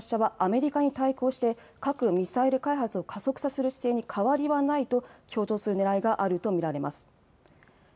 今回の発射はアメリカに対抗して、核・ミサイル開発を加速させる姿勢に変わりはないと強調するねらいがあると見られます。